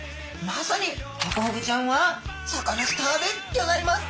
まさにハコフグちゃんはサカナスターでギョざいます。